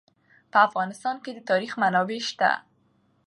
په افغانستان کې د تاریخ منابع شته.